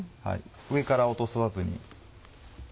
上から落とさずに。